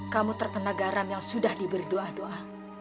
kamu terkena garam yang sudah diberi doa doa